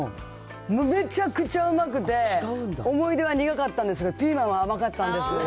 もうめちゃくちゃうまくて、思い出は苦かったんですけど、ピーマンは甘かったんです。